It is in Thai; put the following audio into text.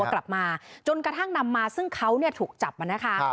กระทั่งนำมาซึ่งเขาเนี่ยถูกจับมานะคะ